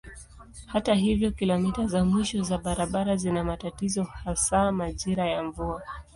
Hata hivyo kilomita za mwisho za barabara zina matatizo hasa majira ya mvua.